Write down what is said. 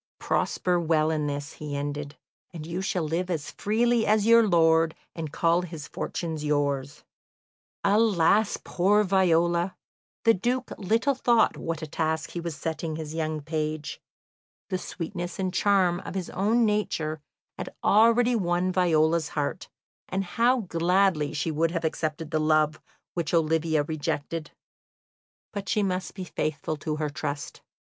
"Prosper well in this," he ended, "and you shall live as freely as your lord, and call his fortunes yours." Alas, poor Viola! The Duke little thought what a task he was setting his young page. The sweetness and charm of his own nature had already won Viola's heart, and how gladly she would have accepted the love which Olivia rejected! But she must be faithful to her trust.